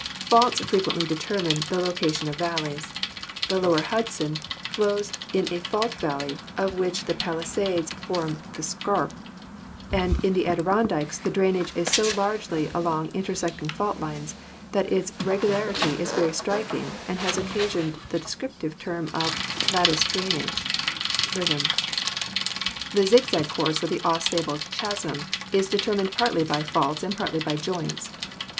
Faults frequently determine the location of valleys. The lower Hudson flows in a fault valley, of which the Pali PHYSIOGRAPHY 187 sades form the scarp, and in the Adirondacks the drainage is so largely along intersecting fault lines that its regular ity is very striking and has occasioned the descriptive term, of "lattice drainage" (Brigham) ; the zigzag course of the Au Sable Chasm is determined partly by faults and partly by joints.